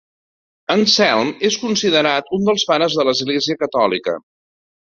Anselm és considerat un dels pares de l'Església catòlica.